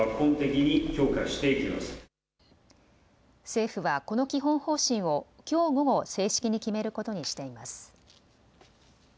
政府はこの基本方針をきょう午後、正式に決めることにしています。